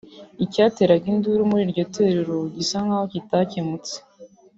Icyateraga induru muri iryo torero gisa n’aho kitakemutse